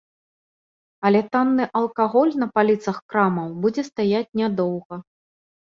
Але танны алкаголь на паліцах крамаў будзе стаяць не доўга.